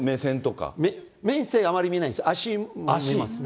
目線、あまり見ないんですよ、足見ますね。